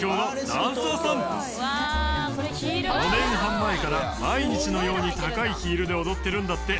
４年半前から毎日のように高いヒールで踊ってるんだって。